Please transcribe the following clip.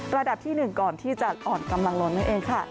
ระดับที่๑ก่อนที่จะอ่อนกำลังลงนั่นเองค่ะ